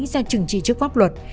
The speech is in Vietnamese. sao trừng trị trước pháp luật